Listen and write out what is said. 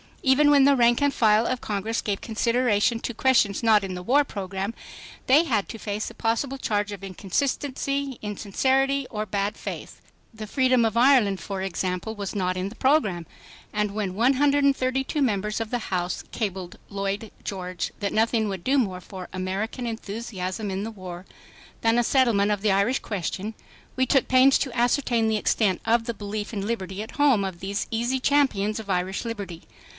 Even when the rank and file of Congress gave consideration to questions not in the war program, they had to face a possible charge of inconsistency, insincerity or bad faith. The freedom of Ireland, for example, was not in the program. And when 132 members of the House cabled Lloyd George that nothing would do more for American enthusiasm in the war than a settlement of the Irish question, we took pains to ascertain the extent of the belief in liberty at home of these easy champions of Irish liberty.